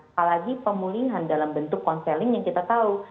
apalagi pemulihan dalam bentuk konseling yang kita tahu